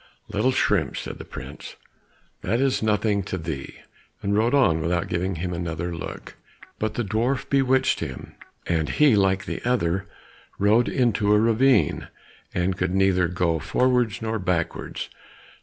"Little shrimp," said the prince, "that is nothing to thee," and rode on without giving him another look. But the dwarf bewitched him, and he, like the other, rode into a ravine, and could neither go forwards nor backwards.